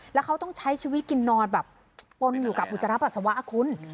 แล้วเขาต้องใช้ชีวิตกินนอนแบบปนอยู่กับอุจจาระปัสสาวะคุณ